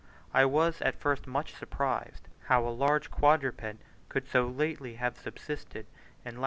I was at first much surprised how a large quadruped could so lately have subsisted, in lat.